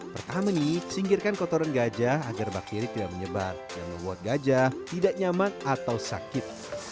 pertama nih singkirkan kotoran gajah agar bakteri tidak menyebar dan membuat gajah tidak nyaman atau sakit